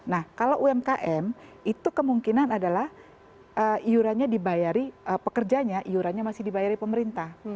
nah kalau umkm itu kemungkinan adalah iurannya dibayari pekerjanya iurannya masih dibayari pemerintah